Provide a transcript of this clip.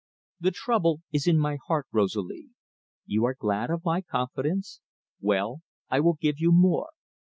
The trouble is in my heart, Rosalie. You are glad of my confidence? Well, I will give you more....